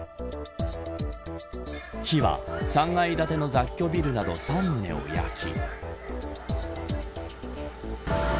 火は、３階建ての雑居ビルなど３棟を焼き。